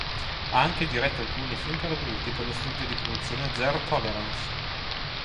Ha anche diretto alcuni film per adulti per lo studio di produzione Zero Tolerance.